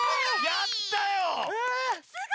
やったね。